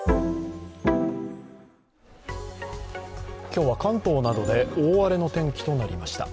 今日は関東などで大荒れの天気となりました。